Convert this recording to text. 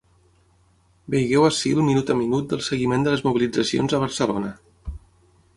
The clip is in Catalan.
Vegeu ací el minut a minut del seguiment de les mobilitzacions a Barcelona.